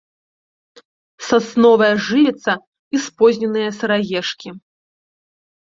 Сасновая жывіца і спозненыя сыраежкі.